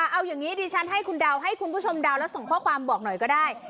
เอาอย่างนี้ดิฉันให้คุณเดาให้คุณผู้ชมเดาแล้วส่งข้อความบอกหน่อยก็ได้